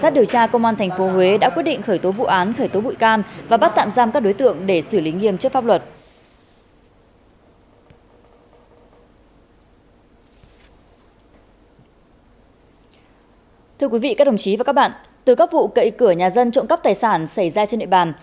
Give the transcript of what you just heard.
từ các vụ cậy cửa nhà dân trộm cắp tài sản xảy ra trên địa bàn